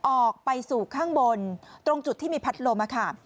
ออกไปสู่ข้างบนตรงจุดที่มีพัดลมค่ะ